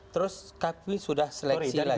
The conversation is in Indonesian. terus kami sudah seleksi lagi